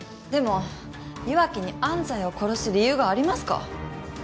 でも岩城に安西を殺す理由がありますか？